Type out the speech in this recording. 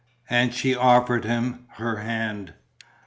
And she offered him her hand.